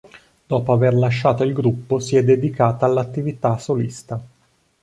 Dopo aver lasciato il gruppo si è dedicata all'attività solista.